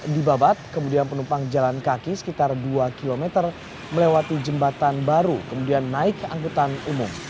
di babat kemudian penumpang jalan kaki sekitar dua km melewati jembatan baru kemudian naik angkutan umum